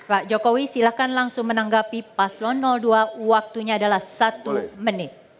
pak jokowi silahkan langsung menanggapi paslon dua waktunya adalah satu menit